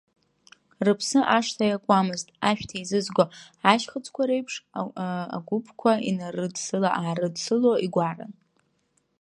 Рыԥсы ашҭа иакуамызт, ашәҭ еизызго ашьхыцқәа реиԥш агәыԥқәа инарыдсыла-аарыдсыло игәаран.